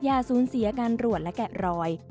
ยาศูนย์เสียการรวดและแกะรอย